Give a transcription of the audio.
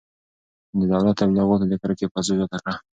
د دولت تبلیغاتو د کرکې فضا زیاته کړه.